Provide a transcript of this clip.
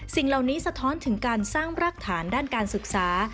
สิ่งเหล่านี้สะท้อนถึงการสร้างรากฐานด้านการศึกษา